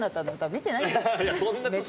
見てないんだよ。